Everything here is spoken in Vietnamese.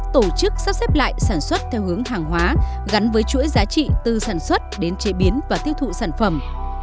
tổ chức sắp xếp lại sản xuất theo hướng hàng hóa gắn với chuỗi giá trị từ sản xuất đến chế biến và tiêu thụ sản phẩm